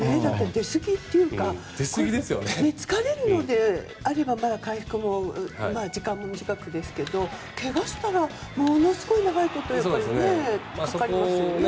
出すぎというか疲れるのであれば回復も時間も短くですが怪我をしたらものすごい長いことかかりますよね。